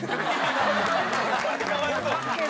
「これかわいそう。